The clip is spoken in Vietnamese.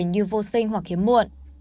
như vô sinh hoặc hiếm muộn